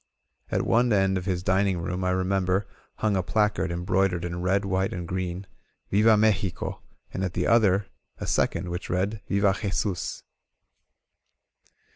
At one end of his dining room, I re member, hung a placard embroidered in red, white and green: Viva Mexico!" and at the other, a second, which read: *Tiva Jesus!"